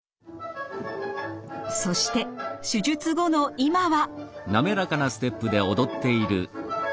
そして手術後の今は。